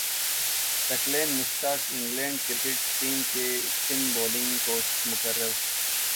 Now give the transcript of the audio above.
ثقلین Mushtaq England cricket team کے spin bowling coach مقرر